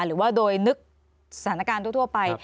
หรือว่าโดยนึกสถานการณ์ทั่วไป